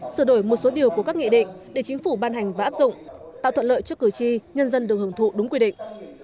sửa đổi một số điều của các nghị định để chính phủ ban hành và áp dụng tạo thuận lợi cho cử tri nhân dân được hưởng thụ đúng quy định